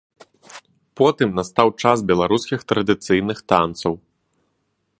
Потым настаў час беларускіх традыцыйных танцаў.